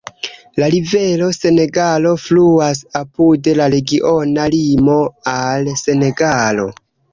La Rivero Senegalo fluas apud la regiona limo al Senegalo.